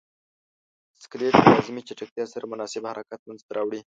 سکلیټ د لازمې چټکتیا سره مناسب حرکت منځ ته راوړي.